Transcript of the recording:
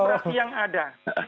dari fraksi fraksi yang ada